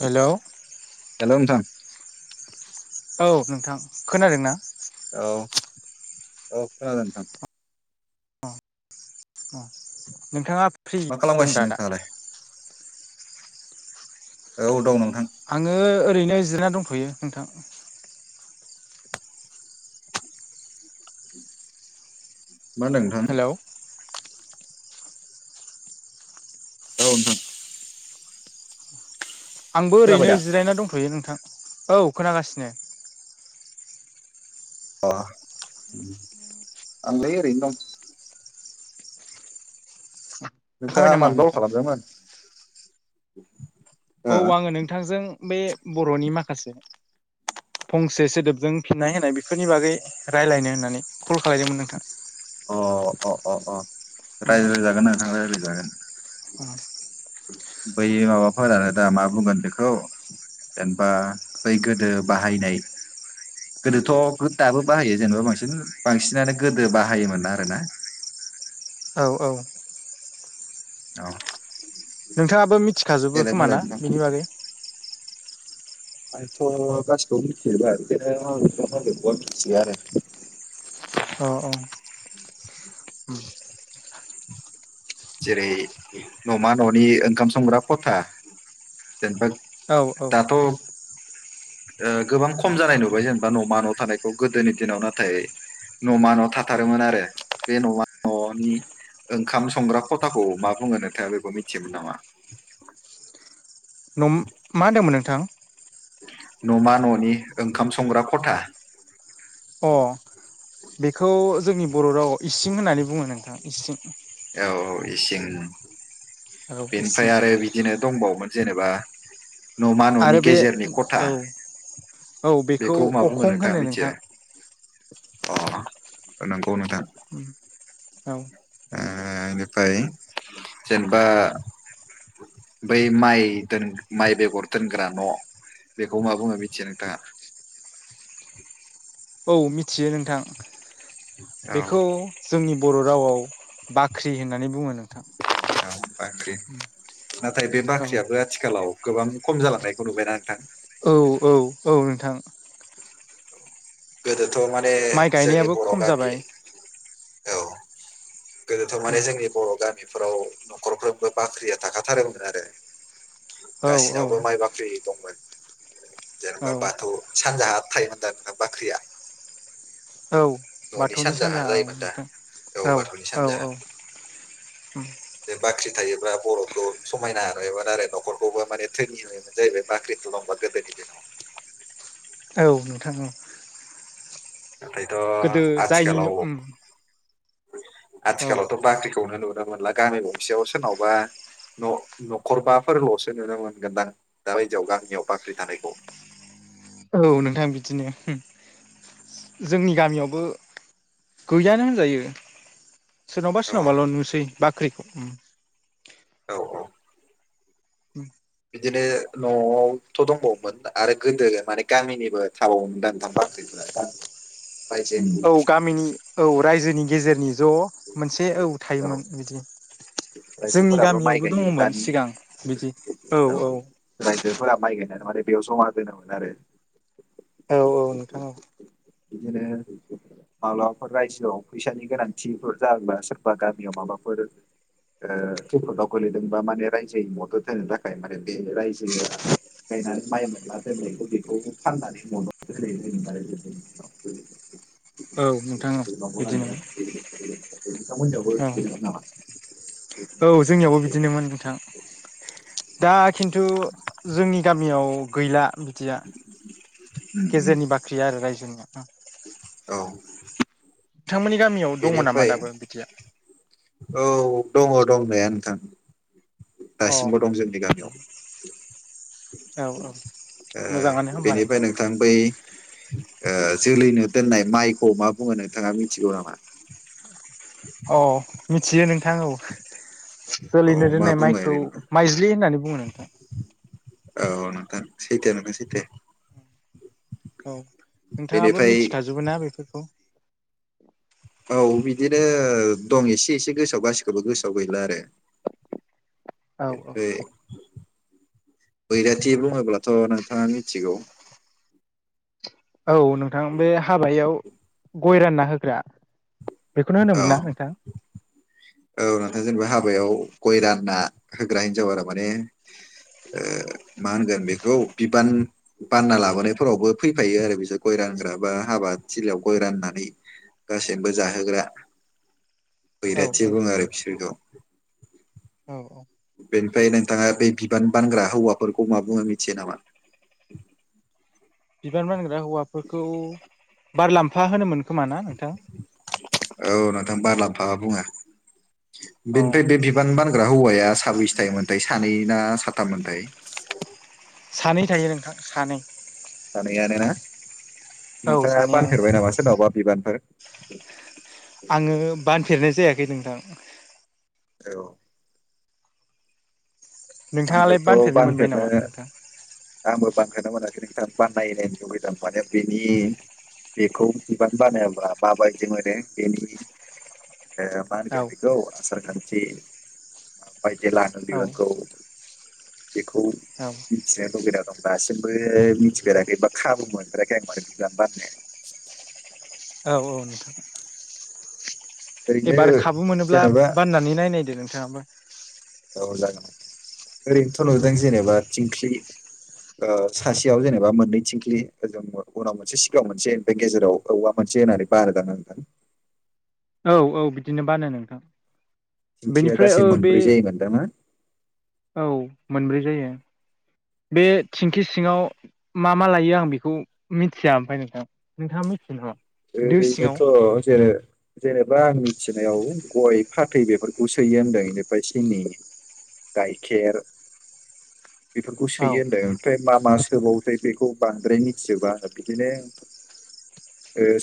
हेल' hello नोंथां औ नोंथां खोनादों ना औ औ खोनादों नोंथां अ अ नोंथाङा फ्रि मा दं दा खालामगासिनो दा नोंथाङालाय औ दं नोंथां आङो ओरैनो जिरना दंथ'यो नोंथां मा नोंथां हेलौ औन आंबो खोनाबाय ओरैनो दा जिरायना दंथ'यो नोंथां औ खोनागासिनो अ आंलै ओरैनो दं जाखांबाय नोंथाङा नामा मानबाव नोंथां खालामदोंमोन हो औ आङो नोंथांजों बे बर'नि माखासे फंसे सोदोबजों फिननाय होनाय बेफोरनि बागै रायज्लायनो होननानै कल खालायदोंमोन नोंथां अ अ अ अ रायज्लायजागोन नोंां रायज्लायजागोन औ बै माबाफोरानो दा मा बुंगोन बेखौ जेनेबा बै गोदो बाहायनाय गोदोथ' दाबो बाहायो जेनेबा बांसिन बांसिनानो गोदो बाहायोमोन न आरोना। औ औ। औ। नोंथाङाबो मिथिखाजोबो देलाय खोमा बुंलाय ना नोंथां बिनि बागै? आंथ' गासिखौबो मिथिजोबबाय बे आ [unintelligible] मिथियो आरो अ औ। [unintelligible] जेरै न'मा न'नि ओंखाम संग्रा खथा जेनेबा औ औ दाथ' गोबां खम जानाय नुबाय जेनेबा न'मा न' थानायखौ गोदोनि दिनाव नाथाय न'मा न' थाथारोमोन आरो बे न'मा न'नि ओंखाम संग्रा खथाखौ मा बुङो नोथाया बेखौ मिथियोमोन नामा? मा होनदोंमोन नोंथां? न'मा न'नि ओंखाम संग्रा खथा अ बेखौ जोंनि बर' रावाव इसिं होननानै बुङो नोंथां इसिं। औ औ इसिं औ बेनिफ्राय इसिं आरो बिदिनो दंबावोमोन। जेनेबा न'मा न'नि आरो बे गेजेरनि खथा औ औ बेखौ मा बुंङो अखं नोंथाङा होनो मिथिया नोंथां अ नोंथ औ। बेनिफ्राय जेनेबा बै माइ द माइ बेगर दोनग्रा न' बेखौ मा बुङो मिथिया नोंथाङा औ मिथियो नोंथां औ बेखौ जोंनि बर' रावाव बाख्रि होन औ बाख्रि नाथाय बे बाख्रियाबो आथिखालाव गोबां खम जालांनायखौ नुबायना नोंथां। औ औ औ नोंथां गोदोथ' माने माइ जोंनि गायनायाबो बर' खम गामि जाबाय औ गोदोथ' माने जोंनि बर' गामिफोराव न'खरफ्रोमबो बाख्रिया थाखाथारोमोन आरो औ औ गाससिनावबो माइ बाख्रि दंमोन औ जेनेबा बाथौ सानजाहा थायोमोन दा नों बाख्रिया औ न'नि बाथौनि सानजाहा सानजा औ जायोमोन दा नोंथां बाथौनि औ सानजाहा औ औ बाख्रि थायोबा बर'खौ समायना होोमोन आरो न'खरखौबो माने ्रेनिंयोन जाहैबाय बाख्रि थुलांबा नि ज न औ नोंथांाव नाथायथ' गोदो जायनिनो आथिखालाव आथिखालावथ' बाख्रिखौनो नुनो मोनला गामि गंसेयाव सोरनावबा न न'खरबाफोरल'सो नुनो मोनगोनदां दा बायदियाव गामियाव बाख्रि थानायखौ औ नोंथां बिदिनो। जोंनि गामियावबो गैयानो होनजायो। सोरनावबा औ सोरनावबाल' नुसै बाख्रिखौ। औ औ उ बिदिनो न'आवथ' दंबावोमोन आरो गोदो माने गामिनिबो थाबावोम दांथाम बाख्रि [unintelligible] औ गामिनि औ रायजोनि गेजेरनि ज' मोनसे औ थायोमोन बिदि जोंनि रायजोफोराबो माइ गामियावबो गायो दङमोन दानि सिगां बिदि औ औ रायजोफोरा माइ गायनानै माने बेयाव जमा दोनोमोन आरो औ औ नोंथां औ। बिदिनो माब्लाबाफोर रायजोआव फैसानि गोनांथिफोर जाब्ला सोरबा गामियाव माबाफोर थख दावख लैदोंबा माने रायजो मदद होनो थाखाय माने बे रायजोआ गायनानै माइ मोनला दोननायखौ बेखौ फाननानै दोननाय जों आरोनाव औ नोंथां औ बिदिनोमोन नोंथांमोननियावबो औ बिदि नामा औ जोंनियावबो बिदिनोमोन नोंथां दा खिन्थु जोंनि गामियाव गैला बिदिया उम उम गेजेरनि बाख्रिया आरो रायजोनिया औ नोंथांमोननि गामियाव दङ नामा बेनिफ्राय दाबो बिदिया औ दङ दंनाया नोंथां अ दासिमबो दं जोंनि गामियाव औ औ मोजाङानो होमबा बेनिफ्राय नोंथां बै जोलैनो दोननाय माइखौ मा बुङो नोंथाङा मिथिगौ नामा अ मिथियो नोंथां औ औ जोलैनो मा दोननाय बुङो माइखौ ओरैनो माइज्लि होननानै बुङो नोंथां औ नोंथां सैथो नोंथां सैथो औ नोंथाङाबो बेनिफ्राय मिथिखाजोबो ना बेफोरखौ औ बिदिनो दं एसे एसे गोसोआव गासिखौबो गोसोआव गैला आरो औ औ बे बैराथि बुङोब्लाथ' नोंथाङा मिथिगौ औ नोंथां बे हाबायाव गय रानना होग्रा बेखौनो औ होनोमोन ना नोंथां औ नोंथां जेनेबा हाबायाव गय रानना होग्रा हिनजाव आरो माने मा होनगोन बेखौ बिबान बानना लाबोनायफोरावबो फैफायो आरो बिसोर गय रानग्रा बा हाबा थिलियाव गय राननानै गासैबो जाहोग्रा औ बैराथि दङ आरो बिसोरखौ औ औ बेनिफ्राय नोंथाङा बे बिबान बानग्रा हौवाफोरखौ मा बुङो मिथियो नामा बिबान बानग्रा हौवाफोरखौ बार लाम्फा होनोमोन खोमा ना नोंथां? औ नोंथां बारलामफा बुंङो बेनिफ्राय बे बिबान बानग्रा हौवाया साबैसे थायोमोनथाय सानै ना स थाम दाय सानै थायो नोंथां सानै सानैयानो ना औ नोंथाङा सानैयानो बानफेरबाय नामा सोरनावबा बिबानफोर आङो बानफेरनाय जायाखै नोंथां औ नोंथाङालाय आंबोथ' मोनबाय बानफेरनो नामा नोंथां? आंबो बानफेरनो मोनाखै बाननाय नायनो लुगैदों आं माने बेनि बेखौ बिबान बानायाब्ला माबायदि मोनो बेनि ए मा औ होनगोन बेखौ आसार खान्थि बायदि लानो औ बिबानखौ बेखौ औ मिथिनो लुुबैना दं दासिमबो मिथिफेराखैबा खाबु मोनफेराखै आं बिबान बाननो औ औ नोंथां ओरैनो एबार खाबु मोनोब्ला जेनेबा बाननानै नायनायदो नोंथाङाबो औ जागोन ओरैनोथ' नुदों जेनेबा थिंख्लि सासेयाव जेनेबा मोननै थिंख्लिओ उनाव मोनसे सिगाङाव मोनसे बे गेजेराव औवा मोनसे बारद न औ औ बिदिनो बानो नोंथां थिंख्लिया बेनिफ्राय गासै औ बे मोनब्रै जायोमोनदां ना औ मोनब्रै जायो बे थिंखि सिङाव मा मा लायो आं बेखौ मिथिया ओमफ्राय नोंथां नोंथाङा मिथियो नामा दो सिङाव ओरैनोथ' ज जेनेबा आंनि फसिनायाव गय फाथै बेफोरखौ सोयो होनदों बेनिफ्राय सिनि गायखार [unintelligible] बेफोरखौ औ सोयो होनदों ओमफ्राय मा मा थोबावथाय बेखौ बांद्राय मिथिजोबा बिदिनो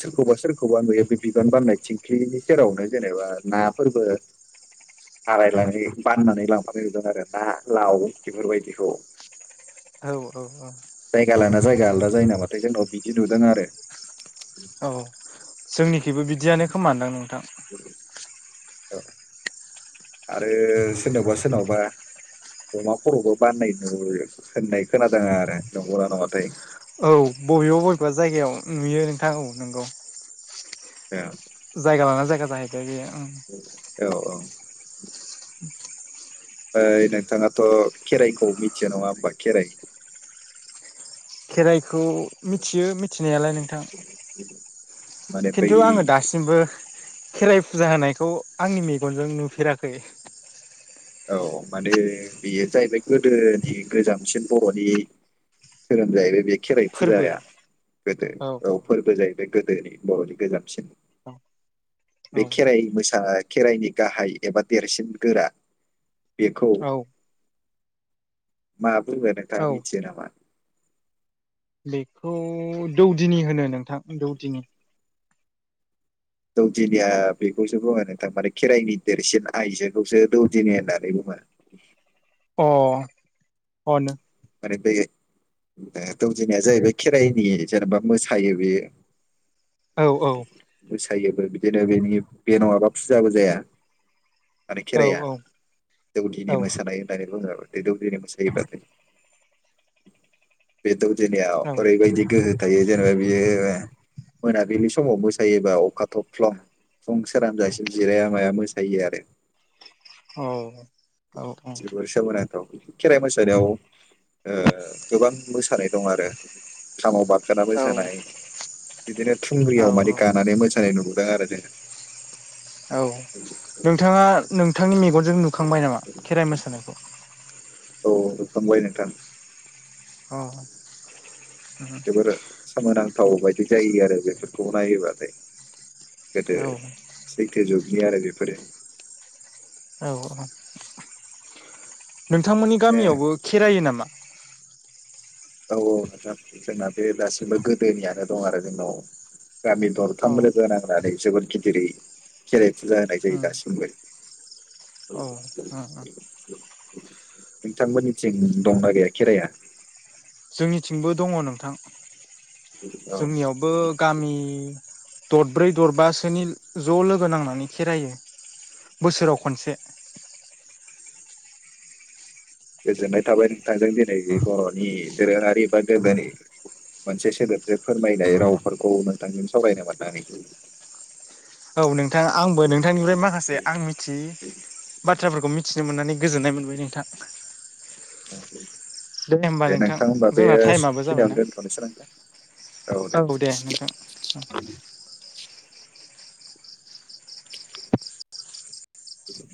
सोरखौबा सोरखौबा नुयो बे बिबान बारनाय थिंख्लिनि सेरावनो जेनेबा नाफोरबो हारायनानै बाननानै लांफानो नुदों आरो ना लाव बेफोरबायदिखौ औ औ औ जायगा लाना जायगा आलादा जायो नामाथाय जोंनाव बिदि नुदों आरो औ जोंनिखिबो बिदियानो खोमदां नोंथां औ आरो सोरनावबा सोरनावबा अमा खर'बो बाननाय होननाय खोनादोंाङा आरो लंगना नङाथाय औ बबेबा बबेबा जायगायाव नुयो नोंथां औ नोंगौ द जायगा लाना जायगा जाह बे औ औ ओइ नोंथाङाथ' खेराइखौ मिथिया नङा होमबा खेराइ खेराइखौ मिथियो मिथिनायालाय नोंथां माने बै खिन्थु आङो दासिमबो खेराइ फुजा होनायखौ आंनि मेगनजों नुफेराखै औ माने बेयो जाहैबाय गोदोनि गोजामसिन बर'नि धोरोम जाहैबाय बे खेराइ फोरबो फुजाया गोदो औ फोरबो जाहैबाय बे गोदोनि बर'नि गोजामसिन बे औ खेराइ मोसा खेराइनि गाहाय एबा देरसिन गोरा बेखौ औ मा बुंुङो औ नोंथाङा मिथियो नामा बेखौ दौदिनि होनो नोंथां दौदिनि दौदिनिया बेखौसो बुङो नोंथांमाने खेराइनि देरसिन आइजोखौसो दौदिनि होननानै बुङो अ अनो माने बे दौजनाया जाहैबाय खेराइनि जेनेबा मोसायो बेयो औ औ फ थायोबो बिदिनो बेनि बे नङाबा फुजाबो जाया माने औ खेराइाया दौदिनि औ मोसानाय होननानै बुङ दौदिनि मोसायोब्लाथाय बेथज न आ औ आरोबाय जग थायो मोनाबिलि समाव मोसायोबा अखा थफ्ल' फुं सोरानजासिम जिराया माया मोसायो आरो औ औ औ जोबोर सोमोनांथाव खेराइ मोसानायाव गोबां मोसानाय दं आरो खामाव बाद ओखाराबो जानाय बिदिनो औ थुंग्रियाव माने गानानै मोसानाय नुबोयो बेङार जे औ नोंथाङाों बिथांांनि मेगनजों नुखांबाय नामा खेराइ मोसानायखौ औ बेखांबाय नोंथां अ जोबोर सोमोनांथाव बायदि जायो आरो बेफोरखौ नायोबाथाय गोदो औ सैत्य जुगनि आरो बेफोरो औ नोंथांमोननि औ गामियावबो खेरायो नामा औ औ नोंथां जोंना बे दासिमबो गोदोनियानो दं आरो जोंनाव। गामि औ दरथाम लोगो नांनानै जोबोद गिदिरै खेरे फुजा होनाय जायो दासिमबो। औ नोंथांमोननिथिं दंना गैया खेराइआ? जोंनिथिंबो दङ नोंथां औ जोंनियावबो गामि दरब्रै दरबासोनि ज' लोगो नांनानै खेरायो। बोसोराव खनसे। गोजोननाय थाबाय नोंथांजों दिनै बर'नि दोरोङारि बा गोदोनि मोनसे सोदोबजों फोरमायनाय रावफोरखौ नोंथांजों सावरायनो मोननानै औ नोंथां आंबो नोंथांनिफ्राय माखासे आं मिथियि बाथ्रा बाथ्राफोरखौ मिथिनो मोननानै गोजोननाय मोनबाय नोंथां। दे होमबा नोंथां जोंना टाइमाबो खिनियावनो जाबायना। दोनथ'नोसै नोंथां औ दे नोंथां। बि